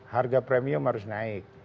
harga premium harus naik